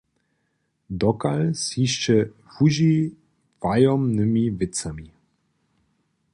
Dokal z hišće wužiwajomnymi wěcami?